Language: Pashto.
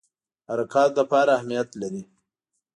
حرکاتو لپاره اهمیت لري.